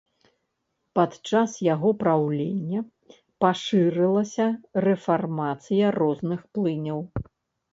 Падчас яго праўлення пашырылася рэфармацыя розных плыняў.